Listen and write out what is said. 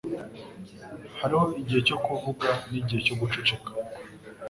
Hariho igihe cyo kuvuga nigihe cyo guceceka.